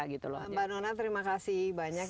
mbak nona terima kasih banyak